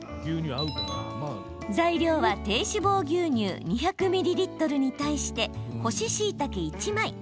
材料は、低脂肪牛乳２００ミリリットルに対して干ししいたけ１枚。